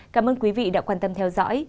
cảm ơn quý vị đã quan tâm theo dõi